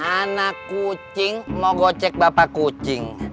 anak kucing mau gocek bapak kucing